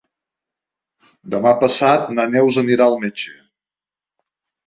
Demà passat na Neus anirà al metge.